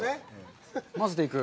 まぜていく。